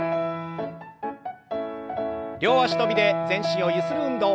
両脚跳びで全身をゆする運動。